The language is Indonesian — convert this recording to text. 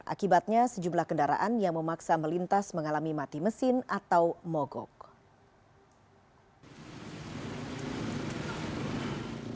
akibatnya sejumlah kendaraan yang memaksa melintas mengalami mati mesin atau mogok